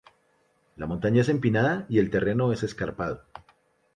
La montaña es empinada y el terreno es escarpado.